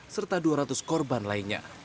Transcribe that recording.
serta dua ratus korban lainnya